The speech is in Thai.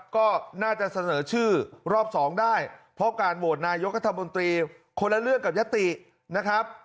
ก็น่าจะเสนอชื่อรอบ๒ได้เพราะการโหวตนายกัธมนตรีคนละเรื่องกับยตินะครับ